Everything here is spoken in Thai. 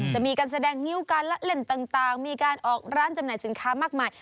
จะมีการแสดงงิ้วการละเล่นต่างมีการออกร้านจำหน่ายสินค้ามากมาย